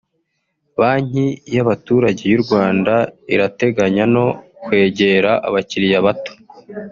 Banki y’abaturage y’u Rwanda irateganya no kwegera abakiliya bato